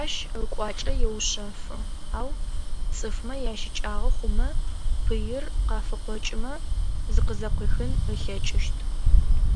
Ащ ыкӏуачӏэ еушъэфы, ау цӏыфмэ ящыкӏагъэ хъумэ, пыир къафыкъокӏымэ зыкъызэкъуихын ылъэкӏыщт.